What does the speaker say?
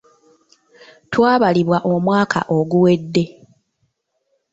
Twabalibwa omwaka oguwedde.